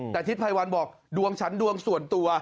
แต่ทิศภัยวันบอกดวงฉันดวงส่วนตัว